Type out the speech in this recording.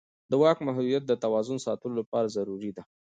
د واک محدودیت د توازن ساتلو لپاره ضروري دی